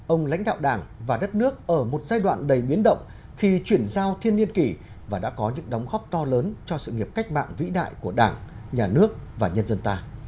ông lãnh đạo đảng và đất nước ở một giai đoạn đầy biến động khi chuyển giao thiên niên kỷ và đã có những đóng góp to lớn cho sự nghiệp cách mạng vĩ đại của đảng nhà nước và nhân dân ta